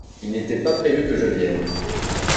Il n’était pas prévu que je vienne.